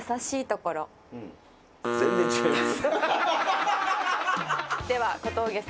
全然違います。